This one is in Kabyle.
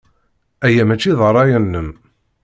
Aya maci d ṛṛay-nnem.